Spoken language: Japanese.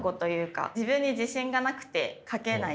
自分に自信がなくて書けない。